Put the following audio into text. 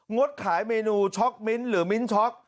งดขายเมนูช็อคมิ้นท์หรือมิ้นท์ช็อค